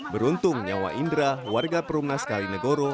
beruntung nyawa indra warga perumna sekali negoro